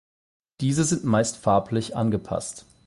Diese sind meist farblich angepasst.